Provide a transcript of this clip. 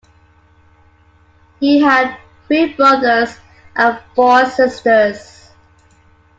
He had three brothers and four sisters.